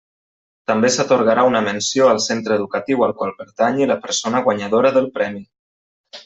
També s'atorgarà una menció al centre educatiu al qual pertanyi la persona guanyadora del Premi.